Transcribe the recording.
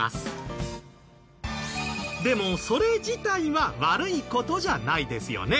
でもそれ自体は悪い事じゃないですよね。